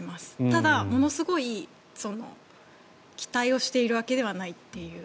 ただ、ものすごい期待をしているわけではないという。